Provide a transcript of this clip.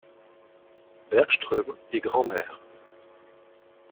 Bergström est grand-mère.